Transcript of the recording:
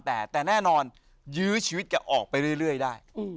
แต่แน่นอนยื้อชีวิตแกออกไปเรื่อยได้